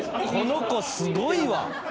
この子すごいわ！